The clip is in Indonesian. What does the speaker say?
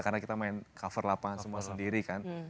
karena kita main cover lapangan semua sendiri kan